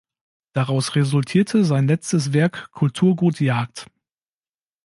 Daraus resultierte sein letztes Werk, "Kulturgut Jagd.